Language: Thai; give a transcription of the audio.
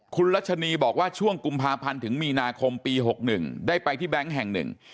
คุณรัชนีบอกว่าช่วงกุมภาพันธ์ถึงมีนาคมปี๖๑ได้ไปที่แบงค์แห่งหนึ่ง